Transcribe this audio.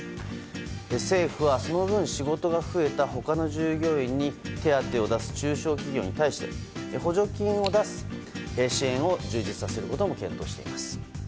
政府は、その分仕事が増えた他の従業員に手当を出す中小企業について補助金を出す支援を充実させることも検討しています。